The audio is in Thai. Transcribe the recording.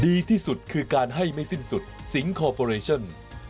ดีที่สุดคือการให้ไม่สิ้นสุดสิงคอร์ปอเรชั่น